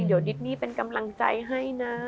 เดี๋ยวดิดนี่เป็นกำลังใจให้นะ